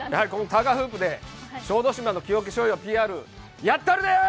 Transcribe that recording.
タガフープで小豆島の木おけしょうゆのＰＲ、やったるで！